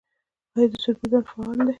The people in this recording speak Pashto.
آیا د سروبي بند فعال دی؟